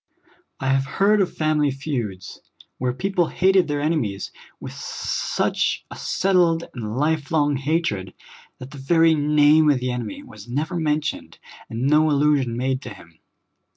I have heard of family feuds, where people hated their enemies with such a settled and life long hatred that the very name of the enem}^ w^as never mentioned, and no allusion made to him.